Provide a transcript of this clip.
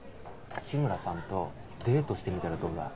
志村さんとデートしてみたらどうだ？